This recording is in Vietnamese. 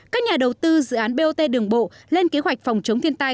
các nhà đầu tư dự án bot đường bộ lên kế hoạch phòng chống thiên tai